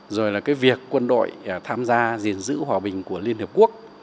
rồi là việc quân đội tham gia diện giữ hòa bình của liên hiệp quốc